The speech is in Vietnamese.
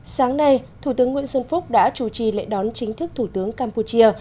sáng nay thủ tướng nguyễn xuân phúc đã chủ trì lễ đón chính thức thủ tướng campuchia